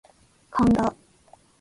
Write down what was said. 神田